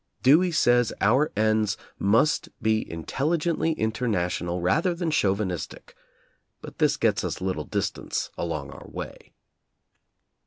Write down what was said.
Dewey says our ends must be intelligently international rather than chauvinistic. But this gets us little distance along our way.